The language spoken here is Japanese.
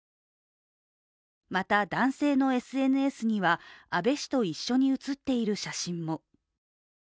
また、男性のＳＮＳには安倍氏と一緒に写っている写真も。